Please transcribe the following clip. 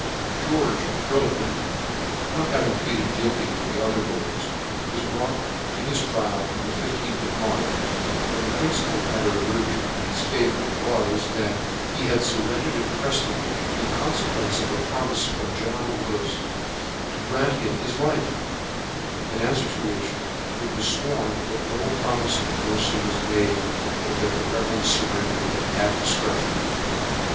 George earl of Winton, not having pleaded guilty with the other lords, was brought to his trial on the I5th of March, when the principal matter urged in his favour was, that he had fur rendered at Prefton in confequence of a promife from general Wills to grant him his life : in an fwer to which it was fworn, that no promife of mercy was made, but that the rebels furrendered at difcretion.